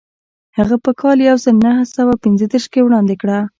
هغه په کال یو زر نهه سوه پنځه دېرش کې وړاندې کړه.